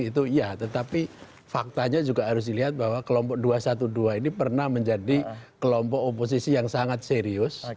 itu iya tetapi faktanya juga harus dilihat bahwa kelompok dua ratus dua belas ini pernah menjadi kelompok oposisi yang sangat serius